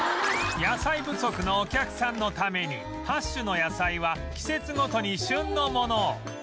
野菜不足のお客さんのために８種の野菜は季節ごとに旬のものを